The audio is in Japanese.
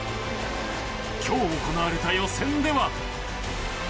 今日行われた予選では。